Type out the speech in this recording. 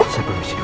saya pergi dulu